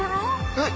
えっ！